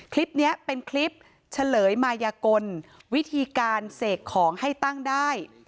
คลิปนี้เป็นคลิปเฉลยมายกลวิธีการเสกของให้ตั้งได้